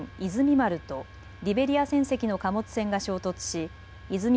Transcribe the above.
丸とリベリア船籍の貨物船が衝突しいずみ